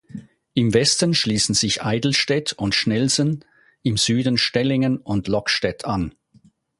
Im Westen schließen sich Eidelstedt und Schnelsen, im Süden Stellingen und Lokstedt an.